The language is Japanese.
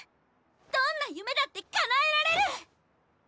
どんな夢だって叶えられる！